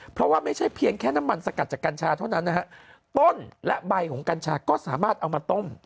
เพราะว่าไม่ใช่เพียงแค่น้ำมันสกัดจากกัญชาเท่านั้นนะฮะต้นและใบของกัญชาก็สามารถเอามาต้ม